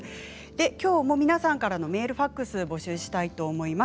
きょうも皆さんからメール、ファックスを募集します。